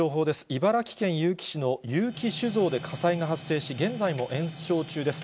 茨城県結城市の結城酒造で火災が発生し、現在も延焼中です。